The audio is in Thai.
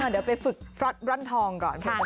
เดี๋ยวไปฝึกฟล็ดร่อนทองก่อน